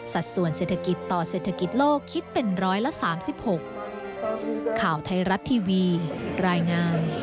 ส่วนเศรษฐกิจต่อเศรษฐกิจโลกคิดเป็นร้อยละ๓๖